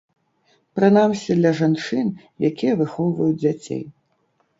Прынамсі, для жанчын, якія выхоўваюць дзяцей.